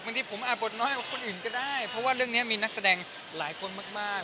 บางทีผมอาจบทน้อยกว่าคนอื่นก็ได้เพราะว่าเรื่องนี้มีนักแสดงหลายคนมาก